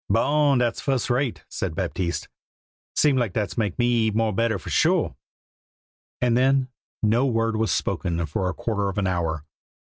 "Bon! Dat's fuss rate," said Baptiste. "Seems lak dat's make me hit [eat] more better for sure." And then no word was spoken for a quarter of an hour.